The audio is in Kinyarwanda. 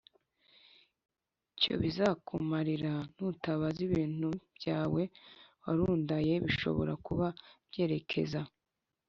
cyo bizakumarira Nutabaza ibintu byawe warundaYe Bishobora kuba byerekeza